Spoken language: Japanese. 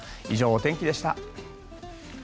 以上、お天気でした。